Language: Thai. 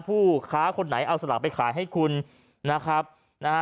ผู้ค้าคนไหนเอาสลากไปขายให้คุณนะครับนะฮะ